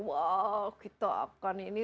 wah kita akan ini